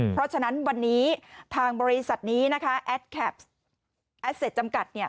เพราะฉะนั้นวันนี้ทางบริษัทนี้นะคะแอสเซตจำกัด